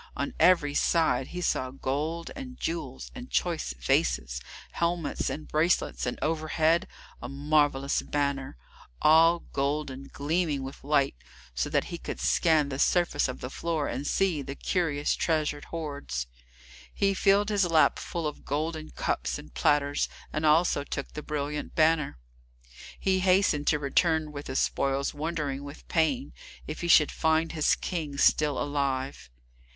On every side he saw gold and jewels and choice vases, helmets and bracelets, and over head, a marvellous banner, all golden, gleaming with light, so that he could scan the surface of the floor and see the curious treasured hoards. He filled his lap full of golden cups and platters, and also took the brilliant banner. He hastened to return with his spoils, wondering, with pain, if he should find his King still alive.